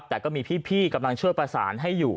แต่ก็มีพี่กำลังช่วยประสานให้อยู่